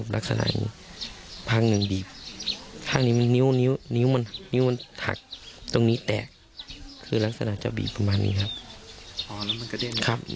ลักษณะจะบีบประมาณนี้ครับอ๋อแล้วมันกระเด้นครับ